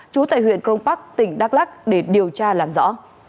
chú tại huyện cronpak tỉnh đắk lắc để điều tra làm rõ